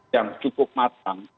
yang cukup matang